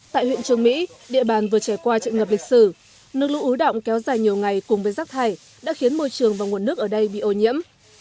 tại huyện trường mỹ địa bàn vừa trải qua trận ngập lịch sử nước lũ ứ động kéo dài nhiều ngày cùng với rác thải đã khiến môi trường và nguồn nước ở đây bị ô nhiễm